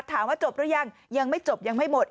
ถามว่าจบหรือยังยังไม่จบยังไม่หมด